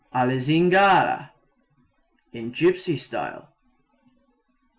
Alla zingara in gypsy style.